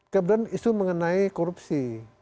kemudian isu mengenai korupsi